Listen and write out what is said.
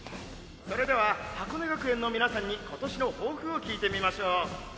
「それでは箱根学園の皆さんに今年の抱負を聞いてみましょう」。